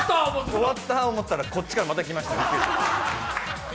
終わったと思ったら、こっちからまた来ました。